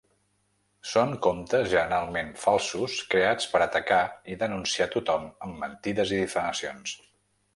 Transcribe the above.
Són comptes generalment falsos creats per atacar i denunciar tothom amb mentides i difamacions.